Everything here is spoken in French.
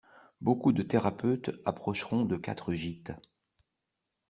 Beaucoup de thérapeutes approcheront de quatre gîtes.